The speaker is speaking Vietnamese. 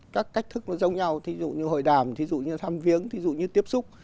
các cách thức nó giống nhau thí dụ như hội đàm ví dụ như tham viếng thí dụ như tiếp xúc